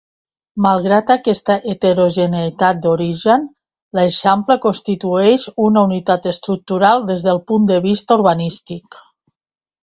Malgrat aquesta heterogeneïtat d'origen, l'Eixample constitueix una unitat estructural des del punt de vista urbanístic.